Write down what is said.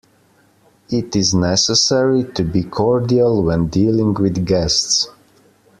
It is necessary to be cordial when dealing with guests.